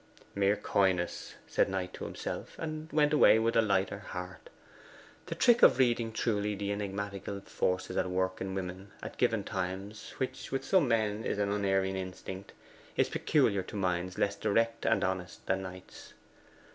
'Mere coyness,' said Knight to himself; and went away with a lighter heart. The trick of reading truly the enigmatical forces at work in women at given times, which with some men is an unerring instinct, is peculiar to minds less direct and honest than Knight's.